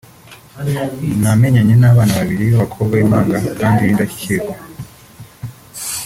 namenyanye n’abana babiri b’abakobwa b’impanga kandi b’indashyikirwa